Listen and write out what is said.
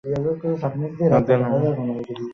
একদিন আমার বলা শব্দগুলো জন্য তুমি অনুশোচনা করবে।